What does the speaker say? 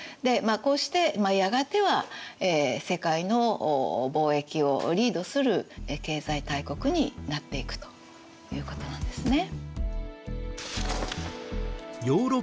こうしてやがては世界の貿易をリードする経済大国になっていくということなんですね。